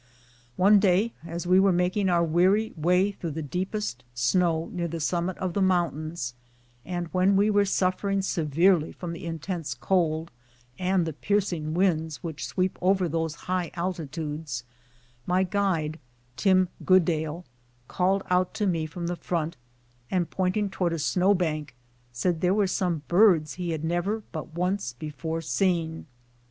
One day, as we were making our weary way through the deepest snow near the summit of the mountains, and when we were suffering severely from the intense cold, and the piercing winds which sweep over those high altitudes, my guide, Tim Goodale, called out to me from the front, and pointing toward a snow bank, said there were some birds he had never but once before seen. WHITE TAILED PTARMIGAN.